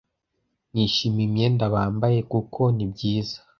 nishimiye imyenda bambaye kuko ni myiza